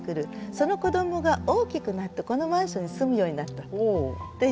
その子どもが大きくなってこのマンションに住むようになったという。